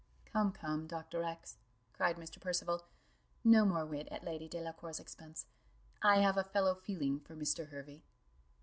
'" "Come, come, Dr. X ," cried Mr. Percival, "no more wit at Lady Delacour's expense: I have a fellow feeling for Mr. Hervey."